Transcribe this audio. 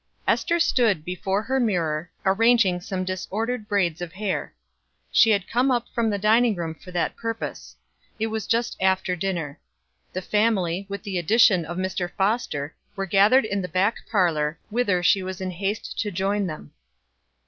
Ester stood before her mirror, arranging some disordered braids of hair. She had come up from the dining room for that purpose. It was just after dinner. The family, with the addition of Mr. Foster, were gathered in the back parlor, whither she was in haste to join them.